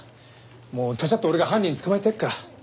もうちゃちゃっと俺が犯人捕まえてやるから。